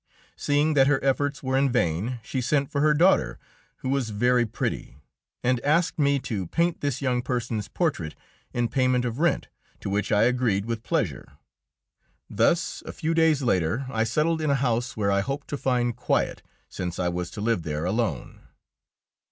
Seeing that her efforts were in vain, she sent for her daughter, who was very pretty, and asked me to paint this young person's portrait in payment of rent, to which I agreed with pleasure. Thus, a few days later, I settled in a house where I hoped to find quiet, since I was to live there alone.